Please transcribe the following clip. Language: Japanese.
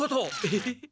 えっ？